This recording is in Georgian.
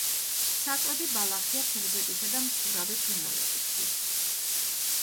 საკვები ბალახია თევზებისა და მცურავი ფრინველებისათვის.